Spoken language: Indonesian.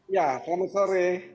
ya selamat sore